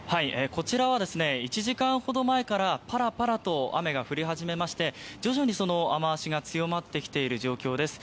こちらは１時間ほど前からパラパラと雨が降り始めまして徐々に、その雨脚が強まってきている状況です。